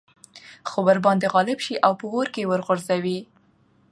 خو ورباندي غالب شي او په اور كي ورغورځي